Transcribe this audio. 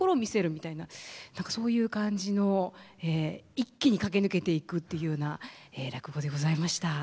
何かそういう感じの一気に駆け抜けていくっていうような落語でございました。